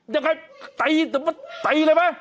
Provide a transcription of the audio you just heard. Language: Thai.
ยังไงตายตายเลยไหม